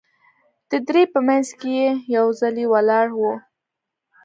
د درې په منځ کې یې یو څلی ولاړ و.